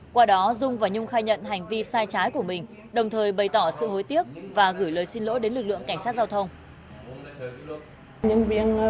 qua đó dung và nhung khai nhận hành vi sai trái của mình đồng thời bày tỏ sự hối tiếc và gửi lời xin lỗi đến lực lượng cảnh sát giao thông